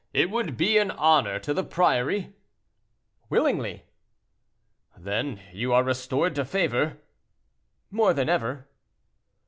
It would be an honor to the priory." "Willingly." "Then you are restored to favor?" "More than ever."